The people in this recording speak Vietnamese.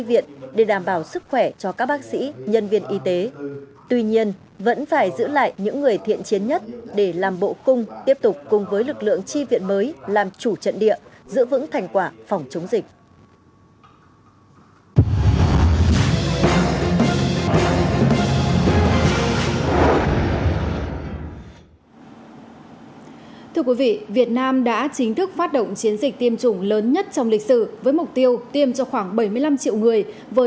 với một trăm năm mươi triệu mũi tiêm trong lịch sử với mục tiêu tiêm cho khoảng bảy mươi năm triệu người